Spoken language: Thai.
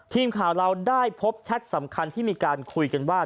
ทีมข่าวเราได้พบแชทสำคัญที่มีการคุยกันว่า